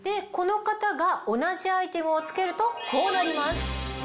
この方が同じアイテムを着けるとこうなります。